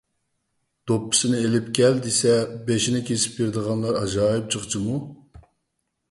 دوپپىسىنى ئېلىپ كەل دېسە، بېشىنى كېسىپ بېرىدىغانلار ئاجايىپ جىق جۇمۇ!